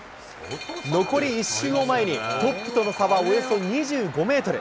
残り１周を前に、トップとの差はおよそ２５メートル。